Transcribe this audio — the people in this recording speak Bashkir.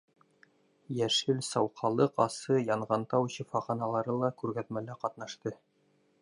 «Йәшел сауҡалыҡ», «Асы», «Янғантау» шифаханалары ла күргәҙмәлә ҡатнашты.